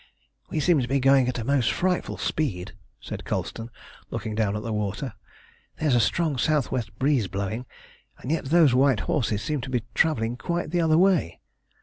"We seem to be going at a most frightful speed," said Colston, looking down at the water. "There's a strong south west breeze blowing, and yet those white horses seem to be travelling quite the other way."